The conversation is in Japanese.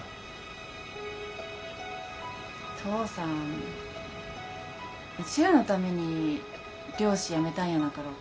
父さんうちらのために漁師やめたんやなかろうか。